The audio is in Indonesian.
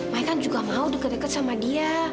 maya kan juga mau deket deket sama dia